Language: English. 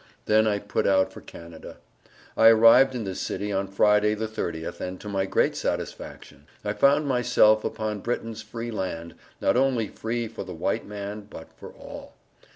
then I put out for Canada. I arrived in this city on Friday the 30th and to my great satisfaction. I found myself upon Briton's free land, not only free for the white man bot for all.